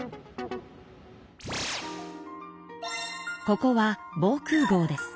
ここは防空ごうです。